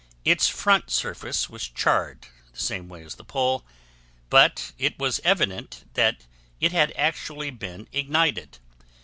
Its front surface was charred the same way as the pole, but it was evident that it had actually been ignited.